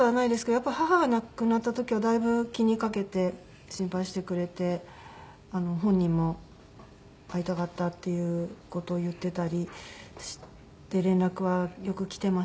やっぱり母が亡くなった時はだいぶ気にかけて心配してくれて本人も会いたかったっていう事を言っていたりして連絡はよく来ていましたけど。